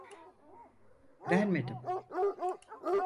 Vermedim.